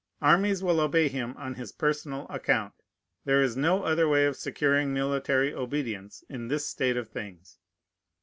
Armies will obey him on his personal account. There is no other way of securing military obedience in this state of things.